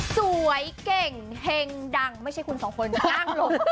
สวยเก่งเฮงดังไม่ใช่คุณสองคนนั่งลง